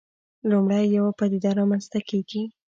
لومړی یوه پدیده رامنځته کېږي.